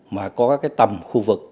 mà có cái tầm khu vực